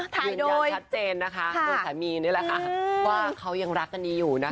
ถ่ายโดยยืนยังชัดเจนนะคะค่ะโดยสามีนี่แหละค่ะว่าเขายังรักอันนี้อยู่นะคะ